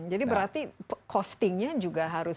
jadi berarti costing nya juga harus